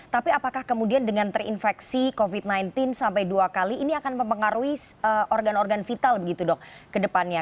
tapi apakah kemudian dengan terinfeksi covid sembilan belas sampai dua kali ini akan mempengaruhi organ organ vital begitu dok ke depannya